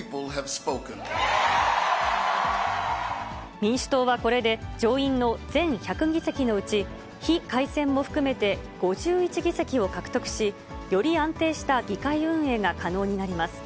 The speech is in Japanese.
民主党はこれで上院の全１００議席のうち、非改選も含めて５１議席を獲得し、より安定した議会運営が可能になります。